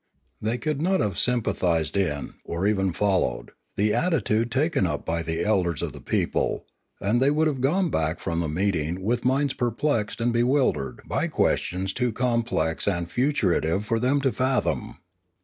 They could not have sympathised in, or even followed, the attitude taken up by the elders of the people; and they would have gone back from the meeting with minds perplexed and bewildered by questions too complex and futuritive for them to fathom.